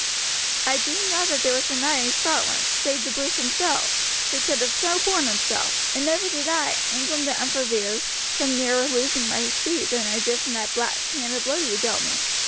I deemed not that there was a knight in Scotland, save the Bruce himself, who could have so borne himself; and never did I, Ingram de Umfraville, come nearer to losing my seat than I did from that backhanded blow you dealt me.